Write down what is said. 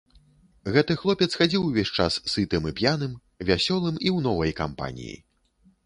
Гэты хлопец хадзіў увесь час сытым і п'яным, вясёлым і ў новай кампаніі.